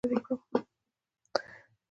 د انارو د ونې د بیخ خاوندې کله لرې کړم؟